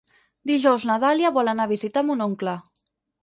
Dijous na Dàlia vol anar a visitar mon oncle.